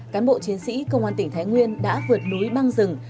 cán bộ chiến sĩ công an tỉnh thái nguyên đã vượt núi băng rừng